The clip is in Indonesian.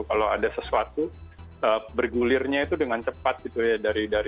kalau ada sesuatu bergulirnya itu dengan cepat gitu ya